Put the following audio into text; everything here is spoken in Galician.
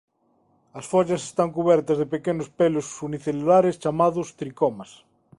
As follas están cubertas de pequenos pelos unicelulares chamados tricomas.